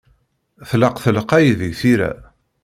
Tlaq telqey deg tira.